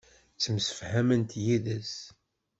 Ttemsefhament yid-s.